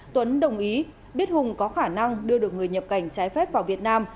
tuấn đồng ý biết hùng có khả năng đưa được người nhập cảnh trái phép vào việt nam